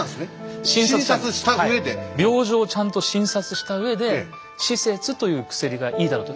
病状をちゃんと診察したうえで「紫雪」という薬がいいだろうと。